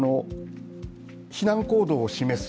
避難行動を示す